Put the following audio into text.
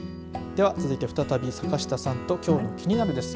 では、続いて再び坂下さんときょうのキニナル！です。